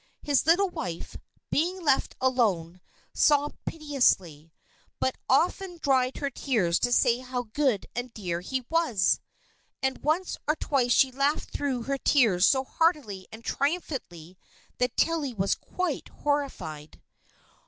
His little wife, being left alone, sobbed piteously, but often dried her tears to say how good and dear he was! and once or twice she laughed through her tears so heartily and triumphantly that Tilly was quite horrified.